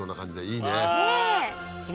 いいね！